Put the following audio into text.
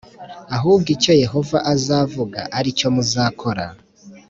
ahubwo icyo yehova azavuga aricyo muzakora